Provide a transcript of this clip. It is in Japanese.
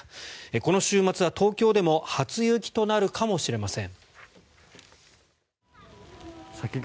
この週末は東京でも初雪となるかもしれません。